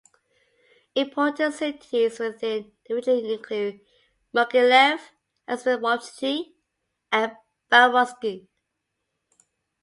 Important cities within the region include: Mogilev, Asipovichy, and Babruysk.